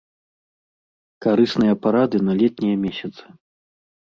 Карысныя парады на летнія месяцы.